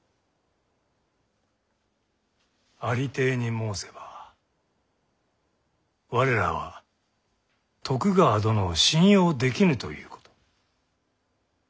ありていに申せば我らは徳川殿を信用できぬということ。